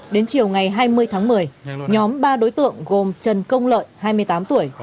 đến chiều ngày hai mươi tháng một mươi nhóm ba đối tượng gồm trần công lợi hai mươi tám tuổi